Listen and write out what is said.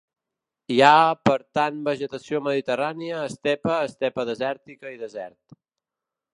Hi ha per tant vegetació mediterrània, estepa, estepa desèrtica i desert.